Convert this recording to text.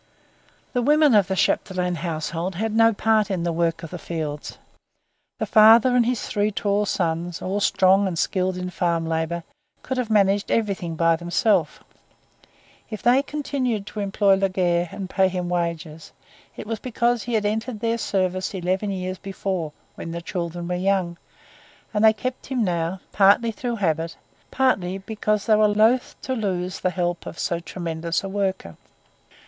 The women of the Chapdelaine household had no part in the work of the fields. The father and his three tall sons, all strong and skilled in farm labour, could have managed everything by themselves; if they continued to employ Legare and to pay him wages it was because he had entered their service eleven years before, when the children were young, and they kept him now, partly through habit, partly because they were loth to lose the help of so tremendous a worker.